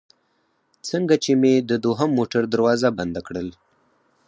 څنګه چې مې د دوهم موټر دروازه بنده کړل.